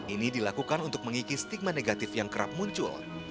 ini dilakukan untuk mengikis stigma negatif yang kerap muncul